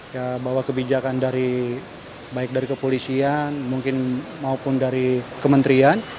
ya bahwa kebijakan dari baik dari kepolisian mungkin maupun dari kementerian